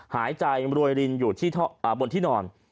หายใจรวยรินอยู่บนที่นอน